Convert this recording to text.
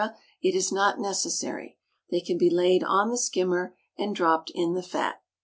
it is not necessary: they can be laid on the skimmer and dropped in the fat.